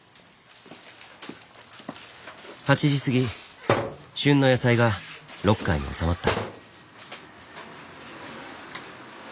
８時過ぎ旬の野菜がロッカーに納まった。